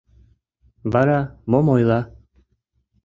Вара мом ойла?